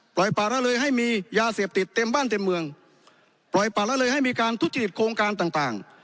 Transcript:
ป่าละเลยให้มียาเสพติดเต็มบ้านเต็มเมืองปล่อยป่าละเลยให้มีการทุจริตโครงการต่างต่าง